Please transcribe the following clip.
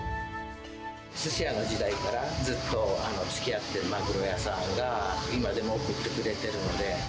すし屋の時代からずっとつきあっているマグロ屋さんが、今でも送ってくれてるので。